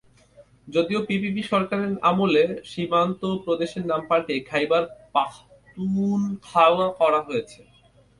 যদিও পিপিপি সরকারের আমলে সীমান্ত প্রদেশের নাম পাল্টিয়ে খাইবার পাখতুনখাওয়া করা হয়েছে।